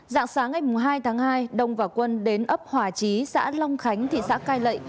dạng sáng ngày hai tháng hai đông và quân đến ấp hòa chí xã long khánh thị xã cai lệ